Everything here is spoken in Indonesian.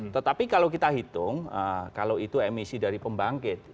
tetapi kalau kita hitung kalau itu emisi dari pembangkit